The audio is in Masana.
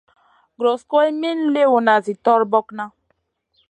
Guros guroyna min liwna zi torbokna.